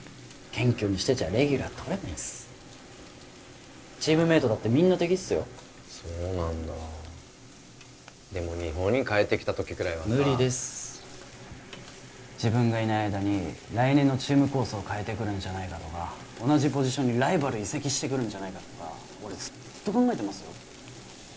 謙虚にしてちゃレギュラーとれないんっすチームメイトだってみんな敵っすよそうなんだでも日本に帰ってきた時くらいはさ無理です自分がいない間に来年のチーム構想を変えてくるんじゃないかとか同じポジションにライバル移籍してくるんじゃないかとか俺ずっと考えてますよ